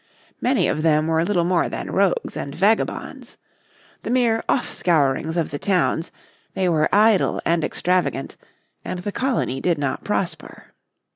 Many of them were little more than rogues and vagabonds. The mere off scourings of the towns, they were idle and extravagant, and the colony did not prosper.